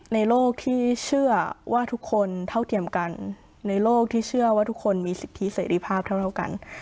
โลกที่เชื่อว่าทุกคนเท่าเทียมกันในโลกที่เชื่อว่าทุกคนมีสิทธิเสรีภาพเท่ากัน